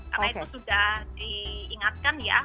karena itu sudah diingatkan ya